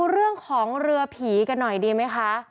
เรื่องของเรือผีกันหน่อยดีไหมคะ